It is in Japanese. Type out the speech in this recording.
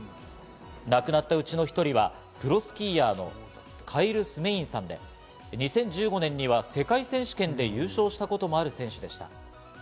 亡くなったうちの１人はプロスキーヤーのカイル・スメインさんで２０１５年には世界選手権で優勝したこともある選手でした。